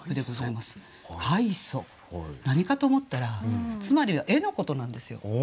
何かと思ったらつまりは絵のことなんですよ。